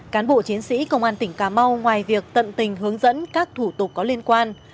cán bộ chiến sĩ công an tỉnh cà mau ngoài việc tận tình hướng dẫn các thủ tục có liên quan